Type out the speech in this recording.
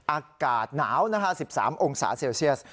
อากาศหนาวนะคะ๑๓องศาเซลเซียส